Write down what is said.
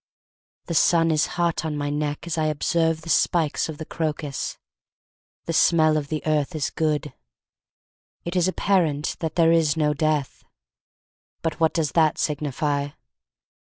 The sun is hot on my neck as I observe The spikes of the crocus. The smell of the earth is good. It is apparent that there is no death. But what does that signify?